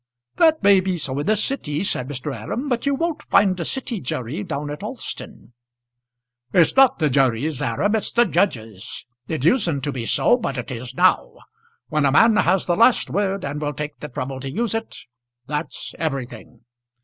"That may be so in the City," said Mr. Aram. "But you won't find a City jury down at Alston." "It's not the juries, Aram. It's the judges. It usedn't to be so, but it is now. When a man has the last word, and will take the trouble to use it, that's everything.